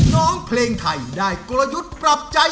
น้องเพลงไทยได้กลยุทธ์ปรับใจ